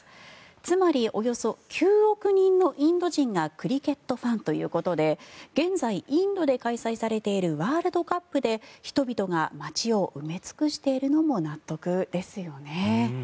つまりおよそ９億人のインド人がクリケットファンということで現在インドで開催されているワールドカップで人々が街を埋め尽くしているのも納得ですよね。